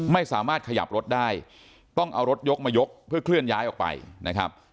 ไม่สามารถขยับรถได้ต้องเอารถยกมายกเพื่อเคลื่อนย้ายออกไปนะครับ